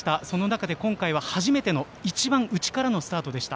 その中で初めての一番内からのスタートでした。